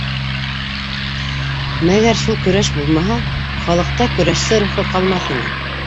Мәгәр шул көрәш булмаһа, халыҡта көрәшсе рухы ҡалмаҫ ине.